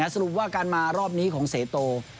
สรุปว่าการมารอบนี้ของเสโต